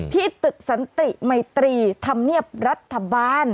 ที่ตึกสันติมัยตรีธรรมเนียบรัฐบาล